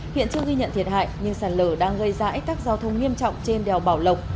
hiện chưa ghi nhận thiệt hại nhưng sạt lở đang gây ra ách tắc giao thông nghiêm trọng trên đèo bảo lộc